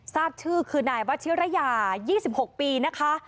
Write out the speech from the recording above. ทราบชื่อคือนายวัชิระยา๒๖ปีนะคะ